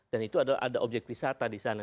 dan itu ada objek wisata di sana